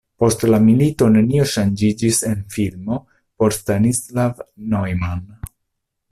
Post la milito nenio ŝanĝiĝis en filmo por Stanislav Neumann.